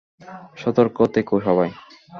সর্তক থেকো সবাই।